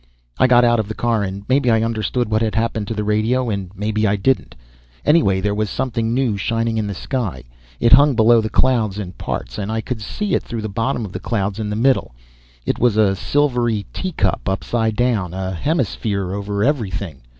I got out of the car; and maybe I understood what had happened to the radio and maybe I didn't. Anyway, there was something new shining in the sky. It hung below the clouds in parts, and I could see it through the bottom of the clouds in the middle; it was a silvery teacup upside down, a hemisphere over everything.